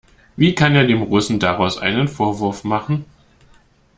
Wie kann er dem Russen daraus einem Vorwurf machen?